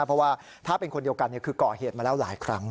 เพราะว่าถ้าเป็นคนเดียวกันคือก่อเหตุมาแล้วหลายครั้ง